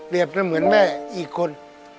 เหลียดกับเหมือนแม่อีกคน